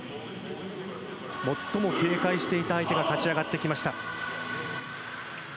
最も警戒していた相手が勝ち上がってきました。